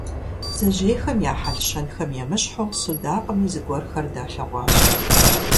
Бдзэжьейхэм я хьэл-щэнхэм емыщхьу судакъми зыгуэрхэр далъэгъуащ.